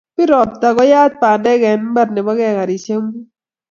Pir robtab koyat pandek en imbar ne bo ekarishek munt